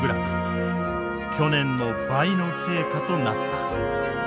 去年の倍の成果となった。